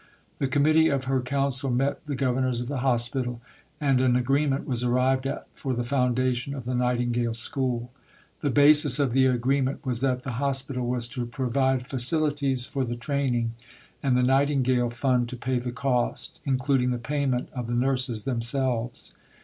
The Committee of her Council met the Governors of the Hospital, and an agreement was arrived at for the foundation of the Nightingale School. The basis of the agreement was that the Hospital was to provide facilities for the training, and the Nightingale Fund to pay the cost, including the payment of the nurses themselves.